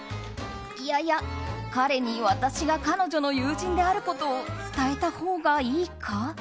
いやいや彼に私が彼女の友人であることを伝えたほうがいいか？